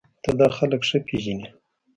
ته دا خلک ښه پېژنې